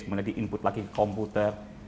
kemudian di input lagi ke komputer